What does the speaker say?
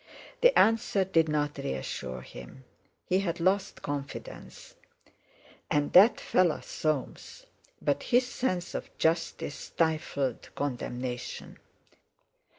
The answer did not reassure him; he had lost confidence. And that fellow Soames! But his sense of justice stifled condemnation.